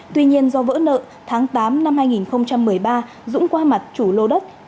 tuy nhiên do vỡ nợ tháng tám năm hai nghìn một mươi ba dũng qua mặt chủ lô đất